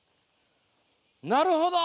なるほど。